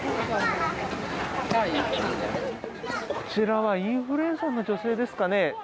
こちらはインフルエンサーの女性ですかね。